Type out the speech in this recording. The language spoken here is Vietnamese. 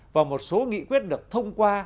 và một số nghị quyết được thông qua